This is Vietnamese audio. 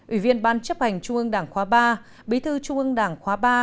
ủy viên ban chấp hành trung ương đảng khóa ba bí thư trung ương đảng khóa ba